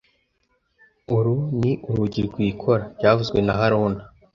Uru ni urugi rwikora byavuzwe na haruna